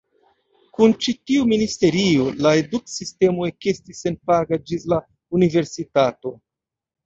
Kun ĉi tiu ministerio, la eduksistemo ekestis senpaga ĝis la Universitato.